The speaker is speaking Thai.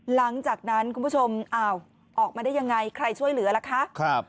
หลังจากนั้นคุณผู้ชมอ้าวออกมาได้ยังไงใครช่วยเหลือล่ะคะ